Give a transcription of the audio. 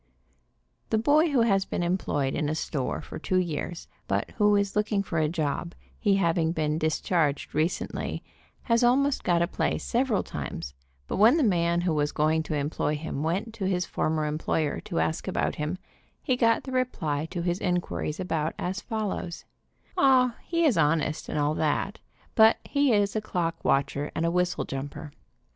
A boy who has been employed in a store for two years, but who is looking for a job, he having been discharged recently, has almost got a place several times, but when the man who was going to employ him went to his former employer to ask about him, he got the reply to his inquiries about as follows : "O, he is honest, and all that, but he is a clock watcher and a whistle jumper."